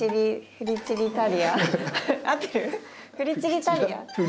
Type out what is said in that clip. フリチリタリア？